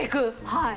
はい。